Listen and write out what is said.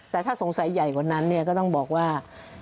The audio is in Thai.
แต่ถ้าสงสัยใหญ่กว่านั้นก็ต้องบอกว่า